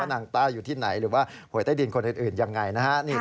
นางต้าอยู่ที่ไหนหรือว่าหวยใต้ดินคนอื่นยังไงนะฮะ